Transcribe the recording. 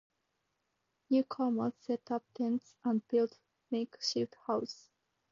Newcomers set up tents and built makeshift houses.